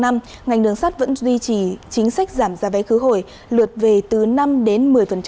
năm ngành đường sắt vẫn duy trì chính sách giảm giá vé khứ hồi lượt về từ năm đến một mươi